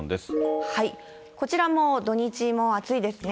こちらも土日も暑いですね。